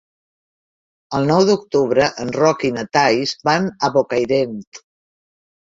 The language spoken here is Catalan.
El nou d'octubre en Roc i na Thaís van a Bocairent.